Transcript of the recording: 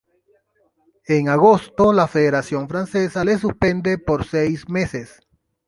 En agosto la federación francesa le suspende por seis meses.